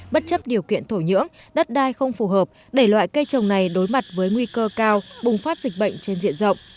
bất chấp điều kiện thổ nhưỡng đất đai không phù hợp để loại cây trồng này đối mặt với nguy cơ cao bùng phát dịch bệnh trên diện rộng